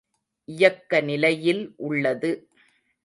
இயக்க நிலையில் உள்ளது.